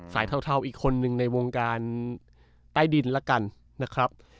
เทาอีกคนนึงในวงการใต้ดินแล้วกันนะครับ